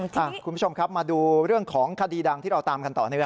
คุณผู้ชมครับมาดูเรื่องของคดีดังที่เราตามกันต่อเนื่อง